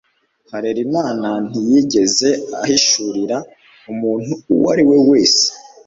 Harerimana ntiyigeze ahishurira umuntu uwo ari we wese